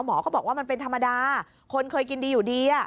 หมอก็บอกว่ามันเป็นธรรมดาคนเคยกินดีอยู่ดี